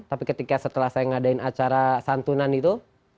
tapi ketika setelah saya ngadain acara santunan itu